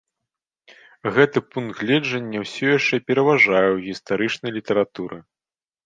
Гэты пункт гледжання ўсё яшчэ пераважае ў гістарычнай літаратуры.